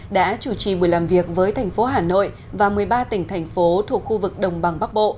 đã chủ trì buổi làm việc với thành phố hà nội và một mươi ba tỉnh thành phố thuộc khu vực đồng bằng bắc bộ